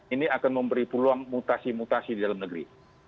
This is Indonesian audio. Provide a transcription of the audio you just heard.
ini akan memberi peluang mutasi mutasi di dalam negeri